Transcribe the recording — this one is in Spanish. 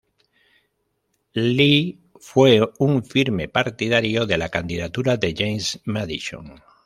Lee fue un firme partidario de la candidatura de James Madison.